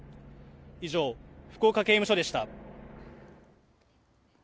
以上、福岡刑務所でした。